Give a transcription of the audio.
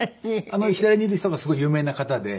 あの左にいる人がすごい有名な方でＳＮＳで。